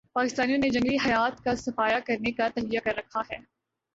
پاکستانیوں نے جنگلی حیات کا صفایا کرنے کا تہیہ کر رکھا ہے